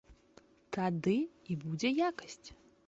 Тады і будзе якасць!